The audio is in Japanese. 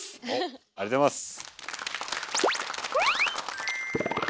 ありがとうございます！